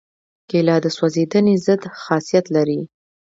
کېله د سوځېدنې ضد خاصیت لري.